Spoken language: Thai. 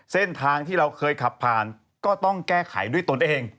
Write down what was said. เส้นทางที่เราเคยขับผ่านก็ต้องแก้ไขด้วยตนเอง